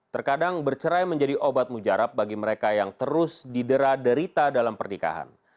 terkadang bercerai menjadi obat mujarab bagi mereka yang terus didera derita dalam pernikahan